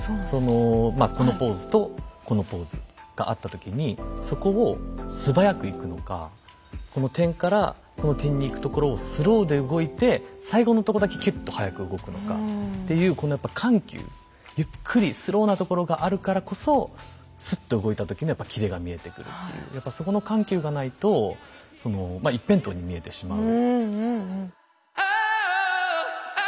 まあこのポーズとこのポーズがあった時にそこを素早くいくのかこの点からこの点にいくところをスローで動いて最後のとこだけキュッと速く動くのかっていうこのやっぱ緩急ゆっくりスローなところがあるからこそスッと動いた時にはやっぱキレが見えてくるっていうやっぱそこの緩急がないとそのまあ一辺倒に見えてしまう。